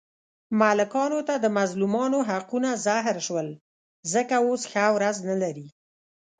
ملکانو ته د مظلومانو حقونه زهر شول، ځکه اوس ښه ورځ نه لري.